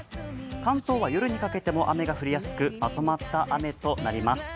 関東は夜にかけても雨が降りやすく、まとまった雨となります。